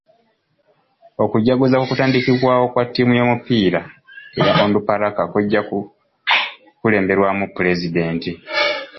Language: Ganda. Okujaguza kw'okutandikibwawo kwa ttiimu y'omupiira eya Onduparaka kujja kukulemberwamu pulezidenti.